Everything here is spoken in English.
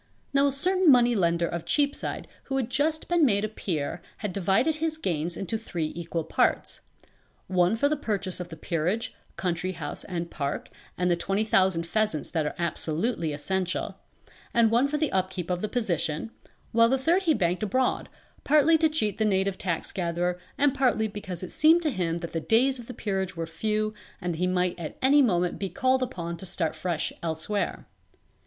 Now a certain money lender of Cheapside who had just been made a peer had divided his gains into three equal parts; one for the purchase of the peerage, country house and park, and the twenty thousand pheasants that are absolutely essential, and one for the upkeep of the position, while the third he banked abroad, partly to cheat the native tax gatherer and partly because it seemed to him that the days of the Peerage were few and that he might at any moment be called upon to start afresh elsewhere.